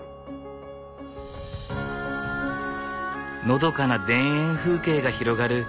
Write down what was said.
のどかな田園風景が広がる